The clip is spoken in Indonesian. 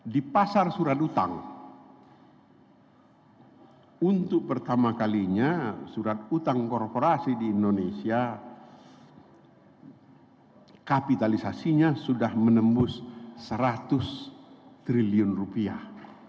di pasar surat utang untuk pertama kalinya surat utang korporasi di indonesia kapitalisasinya sudah menembus seratus triliun rupiah